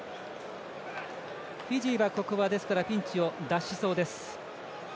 フィジーは、ここはピンチを脱しそうです。